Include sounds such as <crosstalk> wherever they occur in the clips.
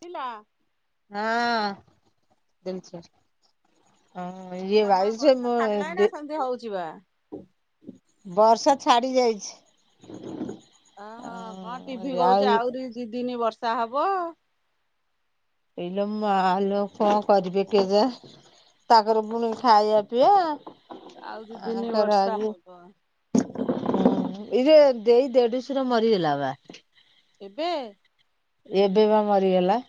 <unintelligible> ଲା ହଁ, ଦେନ <unintelligible> ହଁ, ଇଏ ତମର ବାଇଶି ବର୍ଷା ମୁଁ ଛାଡିଲାଣି ନା ଦି ସେମିତି ହଉଛି ବା। ବର୍ଷା ଛାଡ଼ିି ଯାଇଛି। ଅ, ହଁ, କଣ ଟିଭିି ଆଉ କହୁଚି ଆଉରି ଦି ଦିନି ବର୍ଷା ହବ। ଏଇଲୋ ମାଆଲୋ କଣ କରିବେ କେଜା ତାଙ୍କର ପୁଣି ଖାଇବା ପିଆ। ଆଉ ଦି ଦିନି ବର୍ଷା ହବ। ହୁଁ ଏଇ ଯେ ଦେଇ ଦେଢଶୁର ମରିଗଲା ବା- କେବେ? ଏବେ ପା ମରିଗଲା।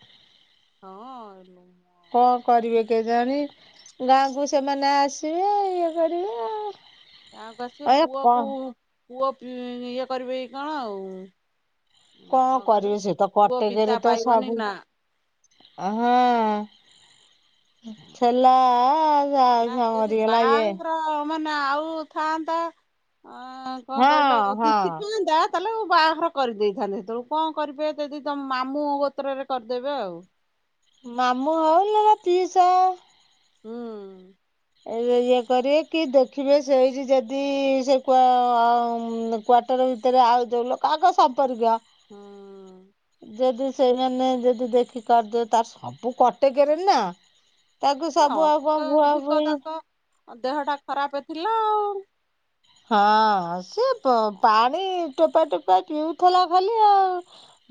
ହଁ ଏଲୋ କଣ କରିବେ କେଜାଣି? ଗାଁକୁ ସେମାନେ ଆସିବେ ଇଏ କରିବେ ଆଉ। ଗାଁ ଙ୍କୁ ଆସିବେ ଏ ପୁଅକୁ, କଣ ପୁଅ ଇଏ କରିବେ କି କଣ ଆଉ ଉ କଣ କଇଲ କରିବେ ସେ ତ ପୁଅ କଟକରେ ପିତା ପାଇବନି ନା ଅ ହଁ ଛେଲା ନାହିଁ ଯଦି ବ୍ୟାଙ୍କ୍ ର ମାନେ ଆଉ ଥାଆନ୍ତା ଅ କଣ କହିଲ ହଁ ତିଥି ହଁ ଥାଆନ୍ତା ତା ହେଲେ ମୁ ବାହାଘର କରିଦେଇଥାନ୍ତି, ସେତେ ଵେଳୁକୁ କଣ କରିବେ ଯଦି ତମ ମାମୁଁ ଗୋତ୍ରରେ କରିଦେବେ ଆଉ ମାମୁଁ ହଉ ନହେଲେ ପିଇସା ହୁଁ ଉଁ ଏ ଇଏ କରିବେ କି -ଦେଖିବେ ସେଇଠି ଯଦି ସେ କୂ କୁଅ ଭିତରେ ଭିତରେ ଆଉ ଯଉ ଲୋକ ଆଗ ସମ୍ପର୍କୀୟ ହଁ ଅଁ ଯଦି ସେଇମାନେ ଯଦି ଦେଖି କରିଦେ ତାର ସବୁ କଟେକରେ ନା ତାକୁ ସବୁ ଆଉ କଣ କୁଆ ତ ତାଙ୍କ ଦେହଟା ଖରାପ ଥିଲା ଆଉ ହଁ ସିଏ ପାଣି ଟୋପା ଟୋପା ପିଉଥିଲା ଖାଲି ଆଉ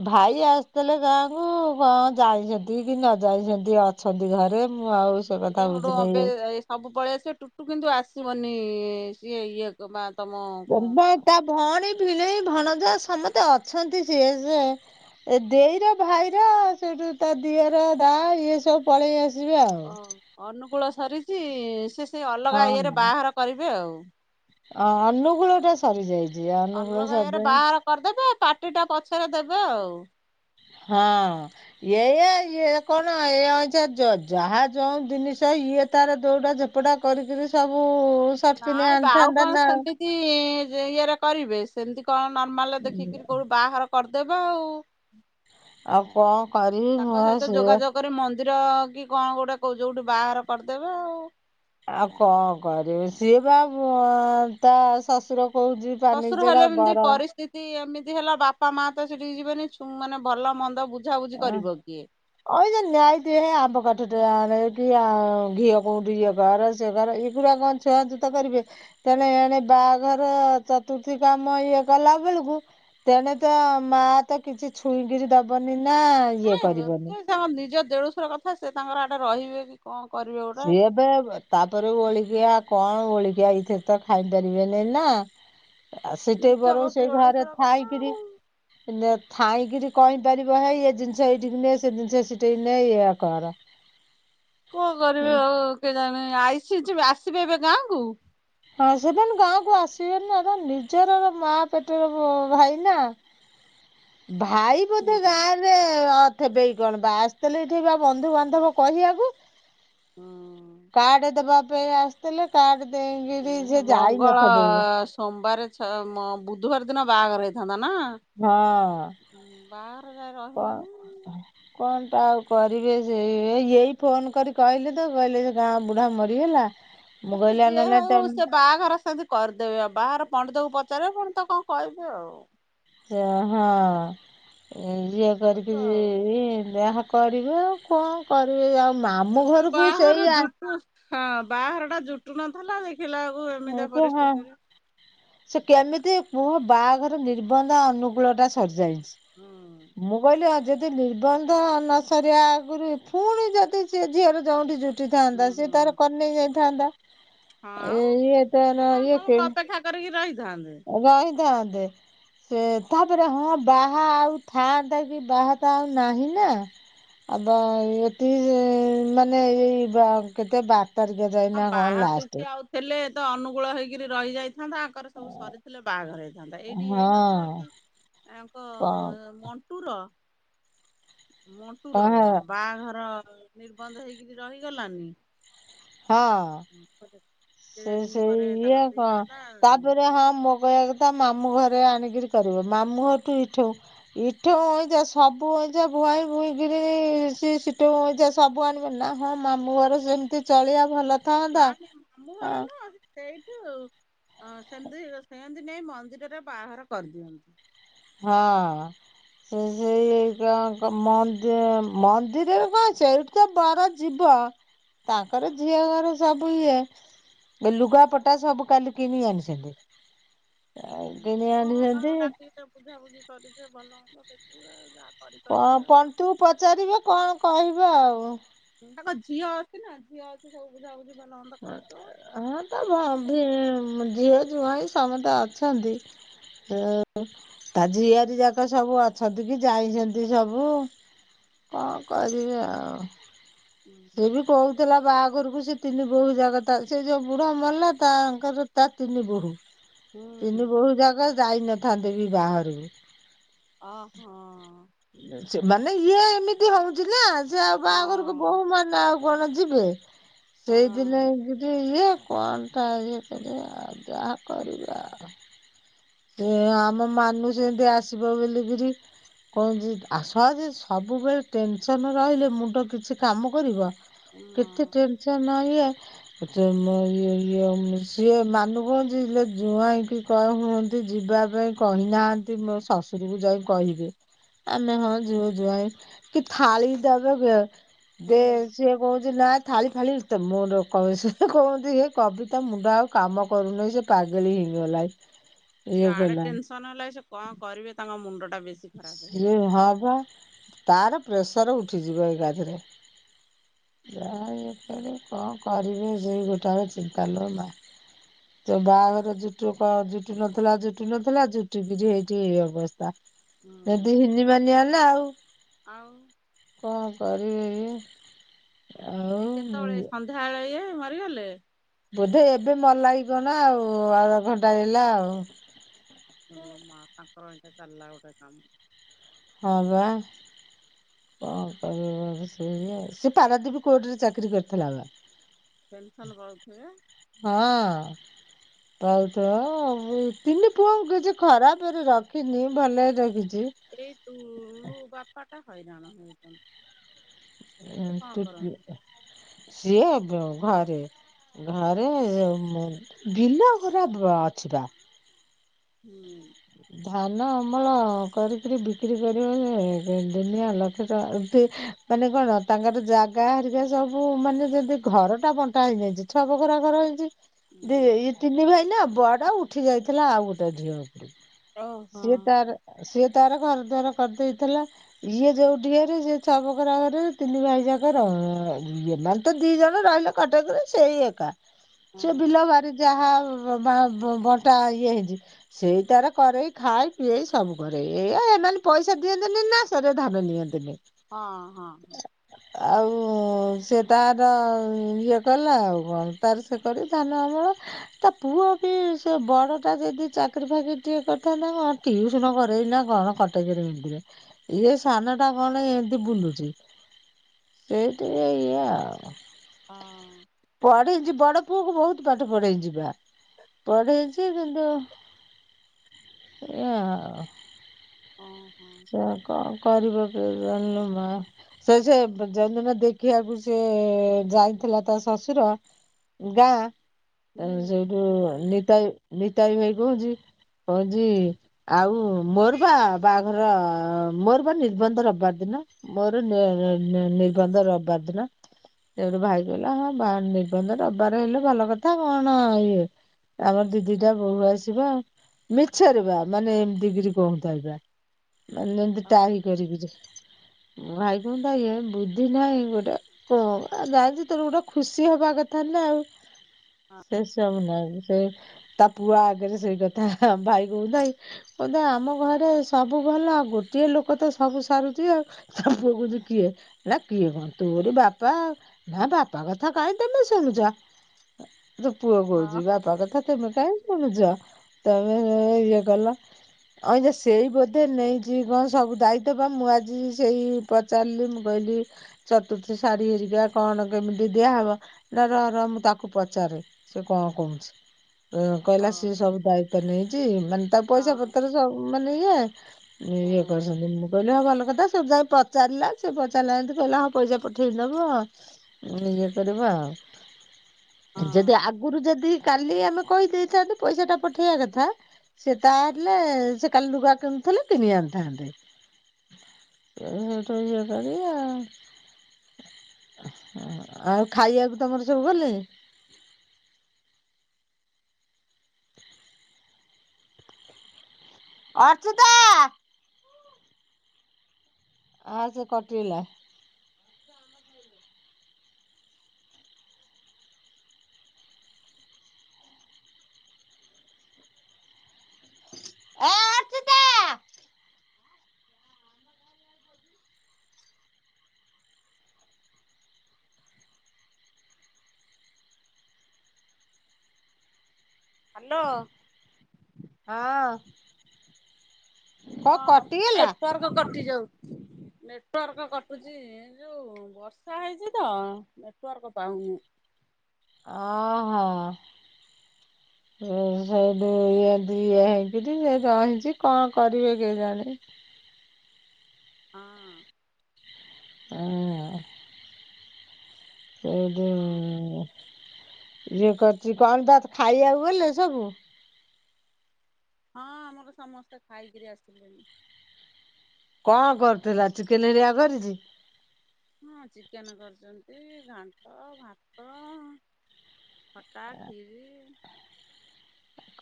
ଭାଇ ଆସିଥିଲେ ଗାଁ କୁ କଣ ଜାଇଛନ୍ତି କି ନ ଯାଇଛନ୍ତି ଅ ଅଛନ୍ତି ଘରେ ମୁଁ ଆଉ ସେ ଇଏ କଥା ସେଠୁ ଅବେ ବୁଝିନି ସବୁ ପଳେଆ ସେ ଟୁଟୁ କିନ୍ତୁ ଆସିବନି ସିଏ ଇଏକୁ ତମା ତମ ଏବେଭଉଣୀ, ଭିଣେଇ, ଭଣଜା ସମସ୍ତେ ଅଛନ୍ତି ସିଏ ସେ ଏ ଦେଇର ଭାଇର ସେଠୁ ତା ଦିଅର ଦା ଇଏ ସବୁ ପଳେଇ ଆସ ଓ ଅନୁକୂଳ ସରିଛି ସେ ସେ ଅଲଗା ଇଏରେ ହଁ। ବାହାର କରିବେ ଆଉ ଅ ଅନୁଗୂଳ ଟା ସରି ଯାଇଛି ଅଲଗା ଇଏରେ ବାହାଘର କରିଦେବେ ପାଟିଟା ପଛରେ ଦେବେ ଆଉ ହଁ ଅଁ ଏ ଇଏ କଣ ଏ ଅଇଛ ଯାହା ଯଉ ଜିନିଷ ଇଏ ତାର ଦୌଡା କପଡ଼ା କରି କି ସବୁ ସଟକିନି ନାଇଁ ବା ଆଉ ଆଣିଥାନ୍ତା କଣ ନା ସେମିତି ଇଏରେ କରିବେ ସେମିତି କଣ ନର୍ମାଲରେ ଦେଖିକି ରି କୋଉ ବାହାଘର କରି ଦେବେ ଆଉ ଆଉ କଣ କରିବି ତାଙ୍କ ମୁ ସହିତ ସେୟା ଯୋଗାଯୋଗ କରି ମନ୍ଦିର କି କଣ ଗୋଟେ ଜଉଠି ବାହାର କରିଦେବେ ଆଉ ଆଉ କଣ କରିବି, ସିଏ ବା ତା ଶଶୁର ହଉଛି ପାନି ତା ଶ୍ୱଶୁର ହେଲେ ନିଜର ଏମିତି ବରା। ପରିସ୍ଥିତି ଏମିତି ହେଲା ବାପା ମା ତ ସେଠିକି ଯିବେନି, ମାନେ ଭଲ ମନ୍ଦ ବୁଝାବୁଝି କରିବ କିଏ? ଏଇ ଯେ ନ୍ୟତିଁ ଆମ୍ବ କାଠ ଟେ ଆଣେ କି ଘିଅ କୋଠି ଇଏ କର ସେ କର। <unintelligible> ଛୁଆଁ ଛୁତ କରିବେ। ତେଣେ ଏଣେ ବାହାଘର ଚତୁର୍ଥୀ କାମ ଇଏ କଲା ବେଳକୁ ତେଣେ ତ ମା ତ କିଛି ଛୁଇଁକିରି ଦବନି ନା ଇଏ କରିବନି ନାଇଁ ତାଙ୍କ ନିଜ ଦେଢୁସୁର କଥା, ସେ ତାଙ୍କର ଆଡେ ରହିବେ କି କଣ କରିବେ? ଗୋଟେ। ସିଏ ଏବେ ତାପରେ ଓଳିକିଆ କଣ ଓଳିକିଆ ଏଇଥିର ଆ ସେଠି ନିଜ ବର ସେଇ ଘରେ ଦେଢୁଶୁର କଥା ଥାଇକିରି ଆଉ। ଥାଇଁକିରି କହିପାରିବ ହୋଇ ଏ ଜିନିଷ ଏଇଠିକି ନେ ସେ ଜିନିଷ ସେଠ ନେ ଏୟା କର। କଣ କରି ହଉ ଓ କେଜାଣି ଆଇସିଚି ଆସିବେ ଏବେ ଗାଁକୁ? ହଁ ସେମାନେ ଗାଁ କୁ ଆସିବେନ ନା। ତାଙ୍କ ନିଜର ମା ପେଟର ଅ ଭାଇ ନା। <inaudible> ଭାଇ ହୁଁ ବୋଧେ ଗାଁ ରେ ଥିବେ କି କଣ ବା ଆସିଥିଲେ ଏଠି ବା ବନ୍ଧୁ ବାନ୍ଧବ କହିବାକୁ। ହୁଁ। କାର୍ଡ ଦେବା ପାଇଁ ଆସିଥିଲେ କାର୍ଡ ଦେଇକିରି ସେ ମଙ୍ଗଳ ଯାଇନଥିବେ। ସୋମବାର ଛା ଅଁ ବୁଧବାର ଦିନ ବାହାଘର ହେଇଥାନ୍ତା ନା। ହଁ ବାହାଘର ଯାଏ ରହିଲନି। କଣ ଟା ଆଉ କରିବେ। ସେଇ ଏଇଫୋନ କରି କହିଲେ ତ କହିଲେ ସେ ଗାଁ ବୁଢ଼ା ମରିଗଲା। ଏ ମୁଁ ସିଏ କହିଲି ଆଉ ଯିଏ ନହେଲେ ହଉ ସେ ତମେ ବାହାଘର ସେମିତି କରିଦେବେ। ବାହାଘର ପଣ୍ଡିତକୁ ପଚାରେ ପଣ୍ଡିତ କଣ କହିବେ ଆଉ। ଓ ହୋ ଇଏ ତାକୁ କରିକି ଇ ଆଉ। ଇଏ ଯାହା କରିବେ ଆଉ କଣ କରିବେ। ଆଉ ମାମୁ ଏବେ ଘରକୁ ବାହାଘର ସେଇ ଆ ଜୁଟୁ ହଁ ବାହାଘର ଟା ଜୁଟୁ ନଥିଲା ଦେଖିଲା ବେଳକୁ ଏମିତିଆ କୁହ ପରିସ୍ଥିତିରେ। ସେ କେମିତି କୁହ ବାହାଘର ନିର୍ବନ୍ଧ ଅନୁକୂଳଟା ହୁଁ ସରିଯାଇଚି। ମୁଁ କଇଲି ଅଯ ଯଦି ନିର୍ବନ୍ଧ ନ ସରିବା ଆଗରୁ ଫୁଣି ଯଦି ସେ ଝିଅର ଯଉଁଠି ଯୁଟି ହୁଁ ଉଠିଥାନ୍ତା ସିଏ ହୁଁ। ତାର କରିନେଇ ଯାଇଥାନ୍ତା। ହଁ ଆଉ ଇଏ ଅଛି ନା ତାର କଣ ତମକୁ ଇଏ ଅପେକ୍ଷା କରିକି ରହିଥାନ୍ତେ। ରହିଥାନ୍ତେ। ସେ ତାପରେ ହଁ ବାହା ଆଉ ଥାଆନ୍ତା କି ବାହା ତ ଆଉ ନାହିଁ ନା। ଆଗ ଏଠି ଯେ ମାନେ ଏଇ ବାଙ୍କ କେତେ ବା ପରିକ୍ଷା ସଇଲା କଣ ଲାଷ୍ଟ। ହେଲେ ତ ଅନୁଗୁଳ ହେଇକିରି ରହିଯାଇଥାନ୍ତା। ଆଙ୍କର ସବୁ ସରି ହେଲେ ବାହାଘର ହେଇଥାଆନ୍ତା। ଏଇଠି ହଁ ହେଇନଥିଲା କି ଆଙ୍କ କଣ ମଣ୍ଟୁର। ମଣ୍ଟୁର କଣ ବାହାଘର ନିର୍ବନ୍ଧ ହେଇକିରି ରହିଗଲାନି। ହଁ କେତେ ସେଇ ଦିନ ସେଇ ପରେ ଇଏ ତାଙ୍କର କଁ ହେଲା ତାପରେ ହଁ ମୋ ଅ ତା ମାମୁଁ ଘରେ ଆଣିକିରି କରିବ। ମାମୁଁ ଘରଠି ଇଠୁ ଇଠୁ ହେଇଚା ସବୁ ହେଇଚା ବୁହାଇ ବୁଇକିରି <unintelligible> ସବୁ ଆଣିବ ନା ହଁ ମାମୁଁ ଘର ସେମିତି ଚଳିବା ଭଲ ଥାନ୍ତା ନାହିଁ ମାମୁଁ ଘର ନୁହଁ। ସେଇଠୁ ଅଁ ସେମିତି ସେମତି ନେଇ ମନ୍ଦିରରେ ବାହାଘର କରିଦିଅନ୍ତି। ହଁ। ସେ ସେଇ ତାଙ୍କ ମନ୍ଦିର ମନ୍ଦିରରେ କଣ ଅଛି। ସେଇ ତ ବର ଯିବ ତାଙ୍କର ଝିଅ ଘର ସବୁ ଇଏ। ଏ ଲୁଗାପଟା ସବୁ କାଲି କିଣିି ଆଣିଚନ୍ତି। ହୁଁ କଣ ତାଙ୍କର ଡାକିକି ତାଙ୍କର ବୁଝାବୁଝି କରିବେ। ଭଲ ମନଦ ଦେଖିବେ ଆଉ ଯା କରି କଣ କରିବେ ପନ୍ତୁ କୁୁ ପଚାରିବେ କଣ କହିବେ ଆଉ। ହୁଁ ତାଙ୍କ ଝିଅ ଅଛି ନା ଝିଅ ଅ ସିଏ ସବୁ ବୁଝା ବୁଝି ଭଲ ମନ୍ଦ କରିଦବ ହଁ ତା ଭ ବାହାଘର ଭି ଝିଅ ଜ୍ୱାଇଁ ସମସ୍ତେ ଅଛନ୍ତି। ହୁଁ ତା ଝିଆରୀ ଯାକ ସବୁ ଅଛନ୍ତି କି ଯାଇଛନ୍ତି ସବୁ। କଣ କରିବେ ଆଉ ସିଏ ବି କହୁ ଥିଲା ବାହାଘରକୁ ସେ ତିନି ବୋହୁ ଜାକ ତା ସେ ଯୋଉ ବୁଢା ମଲା ତାଙ୍କର ତା ତିନି ବୋହୂ। ହୁଁ ତିନି ବୋହୁ ଜାକ ଯାଇନଥାନ୍ତେ କି ବାହାଘରୁକୁ। ଅଁ ହଁ। ସେ ମାନେ ଇଏ ଏମିତି ହଉଛି ନା। ସେ ଆଉ ବାହାଘରକୁ ହଁ ବୋହୂ ମା ନେ ଆଉ କଣ ଯିବେ। ସେଇଦିନ ହଁ ଯି ଇଏ ଇଏ କଣଟା ଇଏ କରିବେ ଆଉ ଯାହା କରିବେ ଆଉ। ହେ ଆମ ମାନୁ ଯେମତି ଆସିବ ବୋଲିକିରି କଣ ଯେ ଆସ ଆଗେ ସବୁବେଳେ ଟେନସନ ରହିଲେ ମୁଣ୍ଡ କିଛି କାମ କରିବ। ମା କେତେ ଟେନ୍ସନ୍ ଇଏ ମ ଇଏ ଇଏ ସିଏ ମାନୁଗହଞ୍ଚ ଜୁଆ ହେଇକି କ ହୁଅନ୍ତି <unintelligible> ଯିବା ପାଇଁ କହିନାହାନ୍ତି ମୋ ଶଶୁରୀକୁ ଯାଇ କହିବି। ଆମେ ହଁ ଯିବ ଯୁଆାଇ କି ଥାଳି ଦେବେଗେ ଦେ ହୁଁ। ସେଏ କହୁଛି ନା ଥାଳି ଫାଳି ତ ମୋ କହନ୍ତି ହେ କବିତା ମୁଣ୍ଡ ଆଉ <unintelligible> କାମ କରୁନହିଁ ସେ ପାଗଲି ହିଁ ଗଲା। ସେ ଆଡେ ଟେନସନ ହେଲା ସେ କଣ କରିବେ ତାଙ୍କ ମୁଣ୍ଡ ଟା ବେଶୀ ଖରାପ ହେଇଗଲା। ହବ ତାର ପ୍ରେସର ଉଠିଯିବ ଏକା ଥରେ। ଯାହା ଏଥର କଣ କରିବି ସେଇ ଗୋଟାକ ଚିନ୍ତା ଲୋ ମା। ହ ସେ ବାହାଘର ଜୁଟୁ ଜୁଟୁ ନଥିଲା ଜୁଟୁ ନଥିଲା ଜୁଟିକିରି ଏଇଠି ଏଇ ଅବସ୍ଥା। ଯଦି ହିିନିମାନି ହେଲା ଆଉ। ଏବଂଉ। କଣ କରିବି? ଏଇ କେତେବେଳେ? ସନ୍ଧ୍ୟାବେଳେ ଇଏ ମରିଗଲେ। ବୋଧେ ଏବେ ମଲା କି କଣ ଆଉ ଅଧଘଣ୍ଟା ହେଇଗଲା ଆଉ। ହେଲୋ ମା ତାଙ୍କର ଏଇଖା ଚାଲିଲା ଗୋଟେ କାମ୍। ହଁ ବା। କଁ କରିବ ଯେ ସେ ନିହଁ ସିଏ ପାରାଦୀପି କୋର୍ଟରେ ଚାକିରି କରିଥେଲା ବା। ପେନସନ୍ ପାଉଥିବେ? ହଁ। ପାଉଥୁବ ସେଇ ତିନି ପୁଅଙ୍କୁ କିଛି ଖରାପେରେ ରଖିନି ଭଲେରେ ରଖିଚି। ଏଇ ଟୁଲୁ ବାପା ଟା ହଇରାଣ ହେଉଛନ୍ତି। ଉଁ ତୁ ତୁ ଏଁହ୍ ସିଏ ବ ଘରେ। ଘରେ ମୁଁ ବିଲ ଗୁରା ବ-ଅଛି ବା। ହୁଁ। ଧାନ ଅମଳ କରିକିରି ବିକ୍ରି କରିବାରେ ଏକରେ ଦୁନିଆ ଲକ୍ଷ୍ୟ ଟଙ୍କା <unintelligible> ମାନେ କଣ ତାଙ୍କର ଜାଗା ହେରିକା ସବୁ ମାନେ ଯଦି ଘରଟା ବଣ୍ଟା ହେଇଯାଇଛି ଛଅ ବଖରା ଘର ହେଇଛି। ଯେ ହୁଁ ଏଇ ତିନି ଭାଇ ନା ବଡ ଉଠି ଯାଇଥିଲା ଆଉ ଗୋଟେ ଢିଅ ଉପରୁ। ଓହୋ ସିଏ ତାର ଆ ସିଏ ତାର ଘରଦ୍ୱାର କରିଦେଇଥେଲା। ଇଏ ଯୋଉଠି ଘରେ ସିଏ ଛଅ ବଖରା ଘରେରେ ତିନି ଭାଇ ଯାଙ୍କ ରହଦି ଏମାନେ ତ ଦି ଜଣ ରହିଲେ କଟକରେ ସେଇ ଏକା। ହଁ ସେ ବିଲ ବାରି ଯାହା ବ - ବା- ବ-ବଣ୍ଟା ଇଏ ହେଇଛି। ସେଇ ତାର କରେଇ ଖାଇ ପିଏଇ ସବୁ କରେ ଏଇଆ ଏମାନେ ପଇସା ଦିଅନ୍ତିନି ନା ସରେ ଧାନ ନିଅନ୍ତିନି। ହଁ ହଁ। ଆଉ ସିଏ ତାର ଉଁ ଇଏ କଲା ଆଉ କଣ ତାର ସେ କରି ଧାନ ଆମଳ ତା ପୁଅ ବି ସେ ବଡଟା ଯଦି ଚାକି ଚାକିରି ଫାକିରି ଟିଏ କରିଥାନ୍ତା ହଁ ଟିଉସନ କରେଇଲା ନା କଣ କଟକରେ କେମିତିରେ ଇଏ ସାନ ଟା କଣ ଏମିତି ବୁଲୁଚି ସେଇଟିକେ ଇଏ ଆଉ ହଁ ପଢ଼େଇଛି ବଡ଼ ପୁଅକୁ ବହୁତ ପାଠ ପଢ଼େଇ ଯିବା ପଢ଼େଇଛି କିନ୍ତୁ- ଏୟା ଆଉ ଅ ହୋ <inaudible> ସେୟା କଣ କରିବ କେଜାଣି ଲୋ ମା ସେ ସେ ଯେଉଁ ଦିନ ଦେଖିବାକୁ ସେ ଯାଇଥିଲା ତା ଶଶୁର- ଗାଁ ଏ ହୁଁ ସେଉଠୁ ହୁଁ ନିତାଇ ନିତାଇ ଭାଇ କହୁଚି କହୁଚି ଆଉ ମୋର ପା ବା ର ମୋର ପା ନିର୍ବନ୍ଧ ରବିବାର ଦିନ। ଉଁ ଉଁ ମୋର ନେ ନେ ନେ ନିର୍ବନ୍ଧ ରବିବାର ଦିନ। ସେଉଠୁ ଭାଇ କହିଲା ହଁ ବା- ନିର୍ବନ୍ଧ ରବିବାର ହେଲେ ଭଲ କଥା କଣ ଇଏ। ଆମର ଦି ଦିଟା ବୋଉ ଆସିବ, ମିଛରେ ବା ମାନେ ଏମିତି କିରି କହୁଥାଏ ପୁରା। ମାନେ ଏମତି ଅ ଟାହି କରିକି ଯେ, ଭାଇ କୁହନ୍ତା ଏ ବୁଦ୍ଧି ନାହିଁ ଗୋଟେ। କଁ ଆ ଯାହାର ଯେ ତୋର ଗୋଟା ଖୁସି ହବା କଥା ନା ଆଉ। ସେସବୁ ନାହିଁ ସେ ତା ପୁଅ ଆଗେରେ ସେଇ କଥା ହାଁ ଭାଇ କହୁଥାଇ କହୁଥାଏ ଆମ ଘରେ ସବୁ ଭଲ ଆଉ ଗୋଟିଏ ଲୋକ ତ ସବୁ ସାରୁଚି ଆଉ ତା ବୋଉ କହୁଚି କିଏ? ନା କିଏ କଣ ତୋରି ବାପା, ନା ବାପା କଥା କାହିଁ ତୋମେ ଶୁଣୁଛ। ଯୋଉ ପୁଅ ହଁ କହୁଚି ବାପା କଥା ତମେ କାହିଁକି ଖୋଜୁଚ ତମେ ଏ ଇଏ କଲ ଅବିକା ସେଇ <unintelligible> ବୋଧେ ନେଇଛିକି କଣ ସବୁ ଦାୟିତ୍ଵ ବା ମୁଁ ଆଜି ସେଇ ପଚାରିଲି ମୁଁ କହିଲି ଚତୁର୍ଥୀ ଶାଢ଼ୀ ହେରିକା କଣ କେମିତି ଦିଆହେବ- ନା ରହ ରହ ମୁଁ ତାକୁ ପଚାରେ ସେ କଣ କହୁଛି ତ କହିଲା ଅ ସିଏ ସବୁ ଦାୟିତ୍ଵ ନେଇଛି ମାନେ ତା ହଁ ପଇସା ପତ୍ର ସବୁ ମାନେ ଇଏ ହଁ ଇଏ କରିଛନ୍ତି ମୁଁ କହିଲି ହଉ ଭଲ କଥା ସବୁ ଯାଇ ଚାଲିଲା ସିଏ ପଚାରିଲା ଏମିତି କହିଲା ହଁ ପଇସା ପଠେଇଦବ ଇଏ କରିବା ଆଉ ଯଦି ହଁ ଆ ଗୁରୁ ଯଦି କାଲି ଆମେ କହିଦେଇଥାନ୍ତି ପଇସା ଟା ପଠେଇବା କଥା ସେ ତା ହେଲେ ସେ କାଲି ଲୁଗା କିଣୁଥିଲେ କିଣି ଆଣିଥାନ୍ତେ! ଏ ହେଟୁ ଇଏ କରି ଆଉ - ଆଉ ଖାଇବାକୁ ତମର ସବୁ ଗଲେଇଁ <inaudible> ଅର୍ଚୁତା ଆସେ କଟିଗଲା ଏ ଅର୍ଚୁତା ହାଲୋ ହଁ କଣ ନେଟୱାର୍କ କଟି ଯାଉଚି ନେଟୱାର୍କ କଟୁଚି ଏ ଯୋଉ ବର୍ଷା ହେଇଛି ତ ନେଟୱାର୍କ ପାଉନି ଅ ହ <inaudible> ସେ ଦିଆ ଦିଆ ହେଇକିରି ସେ ରହିଛି କଣ କରିବେ କେଜାଣି ହଁ। ଆ -ଆ- ଆ ସେଇଠୁ ହଁ ଯିଏ କରିଛି କଣ ଦାଦ୍ ଖାଇବାକୁ ଗଲେ ସବୁ? ହଁ ଆମର ସମସ୍ତେ ଖାଇକିରି ଆସିଲେଣି। କଣ କରୁଥିଲା? ଚିକେନ ହେରିକା କରିଛି। ହଁ ଚିକେନ କରୁଛନ୍ତି ଘାଣ୍ଟ ଭାତ ଖଟା ଖିରି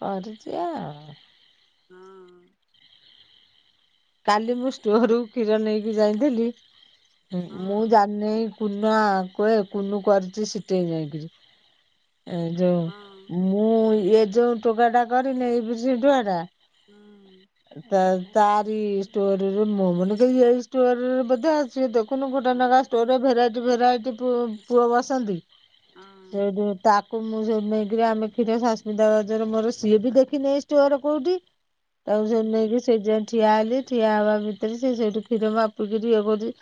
କରୁଛି ଆଉ। ହୁଁ। କାଲି ମୁଁ ଷ୍ଟୋର କୁ କ୍ଷୀର ନେଇକି ଯାଇଥିଲି ହଁ ମୁଁ ଜାଣି କୁନା କୁହେ କୁନୁ କରିଛି ସିଟେଇଗଂ ଯାଇକିରି। ଏ ଯୋଉ ହଁ ମୁଁ ଏ ଯୋଉ ଟୋକା ଟା କରିନି ଏ ଟୁଆ ଟା। ହୁଁ। ତା ତାରି ଷ୍ଟୋରରେ ମୋ ମନ କେ ଏଇ ଷ୍ଟୋରରେ ବୋଧେ ଆସିବେ ତ। ଦେଖୁନୁ ଗୋଟେ ହଁ ନଖା ଷ୍ଟୋର ରେ ଭେରାଇଟି ଭେରାଇଟି ପୁ ପୁଅ ବସନ୍ତି ହଁ ସେଇଠୁ ତାକୁ ମୁଁ ସେଇଠୁ ନେଇକିରି ଆମେ ଫିରେ ସସ୍ମିତା ଭାଉଜର ମୋର ସିଏ ବି ଦେଖିନେହି ଷ୍ଟୋର କୋଉଠି। ତାକୁ ସେଇଠୁ ହୁଁ। ନେଇକି ସେଇଠି ଯାଇଁ ଠିଆ ହେଲି ଠିଆ ହେବା ଭିତରେ ସେ ସେଇଠୁ କ୍ଷୀର ମାପିକିରି ଇଏ କରି